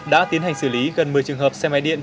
đã tiến hành xử lý gần một mươi trường hợp xe máy điện